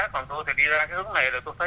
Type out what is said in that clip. một số anh em thì đi cái hướng khác